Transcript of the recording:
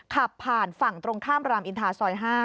ขับผ่านฝั่งตรงข้ามรามอินทาซอย๕